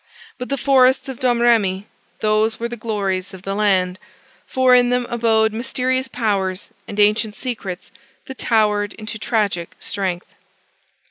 But the forests of Domrémy those were the glories of the land: for, in them abode mysterious powers and ancient secrets that towered into tragic strength.